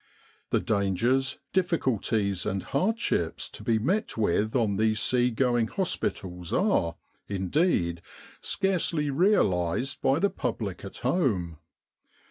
The dangers, difficulties, and hardships to be met with on these sea going hospitals arc, indeed, scarcely realised by the public at home.